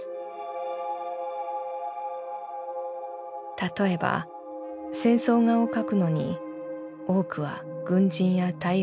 例えば戦争画を描くのに多くは軍人や大砲を描く。